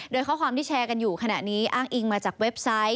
โดยข้อความที่แชร์กันอยู่ขณะนี้อ้างอิงมาจากเว็บไซต์